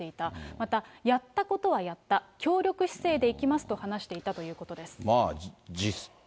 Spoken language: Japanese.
また、やったことはやった、協力姿勢でいきますと話していたということです。